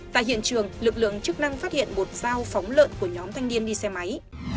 tại hiện trường lực lượng chức năng phát hiện một dao phóng lợn của nhóm thanh niên đi xe máy